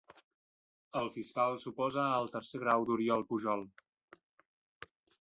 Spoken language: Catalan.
El fiscal s'oposa al tercer grau d'Oriol Pujol